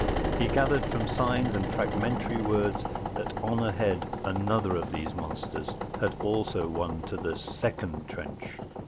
He gathered from signs and fragmentary words that on ahead another of these monsters had also won to the second trench.